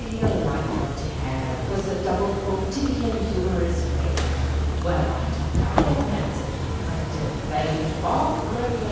Ye'll like for to hare; 'Twas the double quotidian humerous faver. Well, I tuck out me lancet and pricked at a vein, (Och, murther!